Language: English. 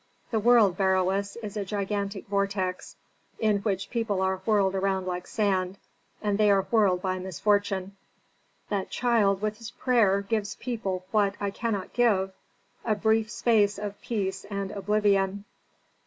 The world, Beroes, is a gigantic vortex, in which people are whirled around like sand, and they are whirled by misfortune. That child with his prayer gives people what I cannot give: a brief space of peace and oblivion.